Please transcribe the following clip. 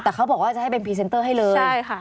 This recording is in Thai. แต่เขาบอกว่าจะให้เป็นพรีเซนเตอร์ให้เลยใช่ค่ะ